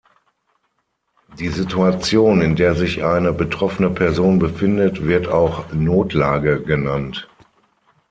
Die Situation, in der sich eine betroffene Person befindet, wird auch "Notlage" genannt.